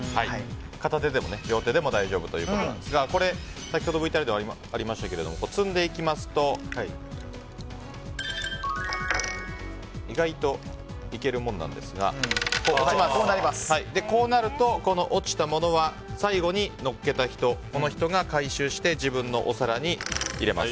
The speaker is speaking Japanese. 片手でも両手でも大丈夫ということですが先ほどＶＴＲでありましたように積んでいきますと意外といけるもんなんですが落ちると、この落ちたものは最後に載せた人が回収して自分のお皿に入れます。